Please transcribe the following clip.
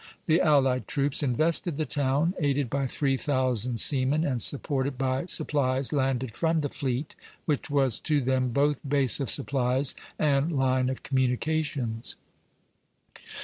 The allied troops invested the town, aided by three thousand seamen and supported by supplies landed from the fleet, which was to them both base of supplies and line of communications.